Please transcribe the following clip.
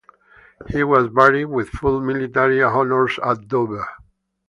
He was buried with full military honours at Dover.